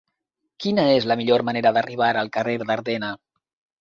Quina és la millor manera d'arribar al carrer d'Ardena?